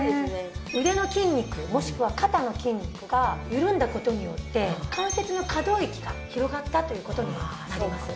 腕の筋肉もしくは肩の筋肉が緩んだ事によって関節の可動域が広がったという事になります。